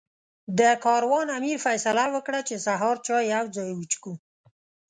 د کاروان امیر فیصله وکړه چې سهار چای یو ځای وڅښو.